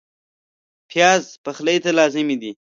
پیاز پخلي ته لازمي دی